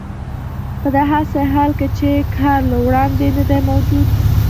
په داسې حال کې چې کار له وړاندې نه دی موجود